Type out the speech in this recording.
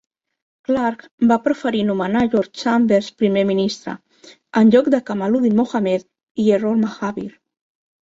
Clarke va preferir nomenar George Chambers primer ministre en lloc de Kamaluddin Mohammed i Errol Mahabir.